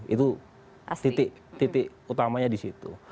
itu titik titik utamanya di situ